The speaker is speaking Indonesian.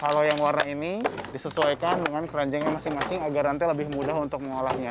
kalau yang warna ini disesuaikan dengan keranjangnya masing masing agar nanti lebih mudah untuk mengolahnya